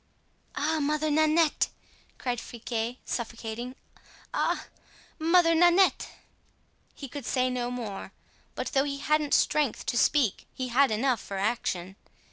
"Ah! Mother Nanette!" cried Friquet, suffocating; "ah! Mother Nanette!" He could say no more; but though he hadn't strength to speak he had enough for action.